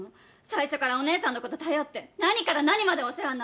最初からお姉さんのこと頼って何から何までお世話になって。